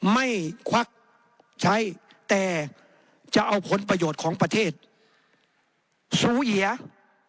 ควักใช้แต่จะเอาผลประโยชน์ของประเทศสูเอีย